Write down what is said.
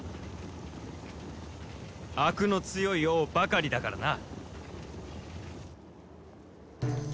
あくの強い王ばかりだからな。